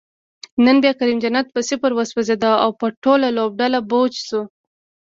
نن بیا کریم جنت په صفر وسوځید، او په ټوله لوبډله بوج شو